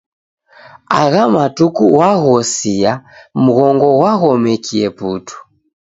Agha matuku waghosia mghongo ghwaghomekie putu.